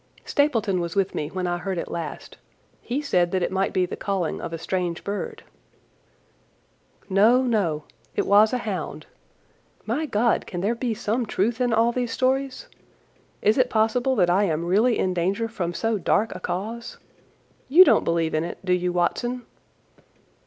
"Stapleton was with me when I heard it last. He said that it might be the calling of a strange bird." "No, no, it was a hound. My God, can there be some truth in all these stories? Is it possible that I am really in danger from so dark a cause? You don't believe it, do you, Watson?"